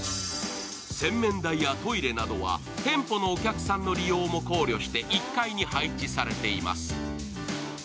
洗面台やトイレなどは店舗のお客さんの利用も考慮して１階に配置されています。